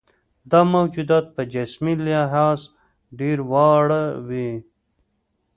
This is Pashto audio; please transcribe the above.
دا موجودات په جسمي لحاظ ډېر واړه وي.